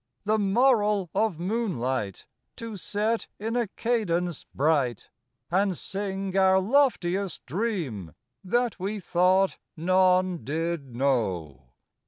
The moral of moonlight To set in a cadence bright, And sing our loftiest dream that we thought none did know.